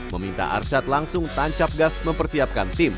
meminta arsyad langsung tancap gas mempersiapkan tim